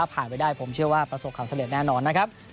ผ่านไปได้ผมเชื่อว่าประสบความสำเร็จแน่นอนนะครับ